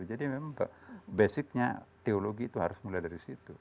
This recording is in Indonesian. jadi memang basicnya teologi itu harus mulai dari situ